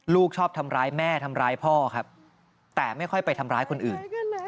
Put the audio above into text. ลูกชอบทำร้ายแม่ทำร้ายพ่อครับแต่ไม่ค่อยไปทำร้ายคนอื่น